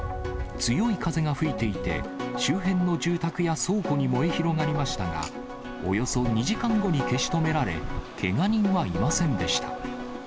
強い風が吹いていて、周辺の住宅や倉庫に燃え広がりましたが、およそ２時間後に消し止められ、けが人はいませんでした。